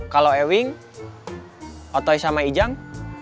kalau ewing otoy sama ijang